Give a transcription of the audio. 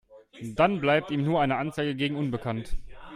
Dann bleibt ihm nur eine Anzeige gegen unbekannt.